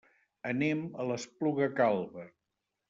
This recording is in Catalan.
Anem a l'Espluga Calba.